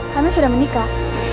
kami sudah menikah